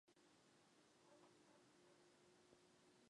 彭林城堡是英国北威尔士的一个城堡式建筑。